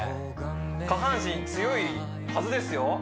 下半身強いはずですよ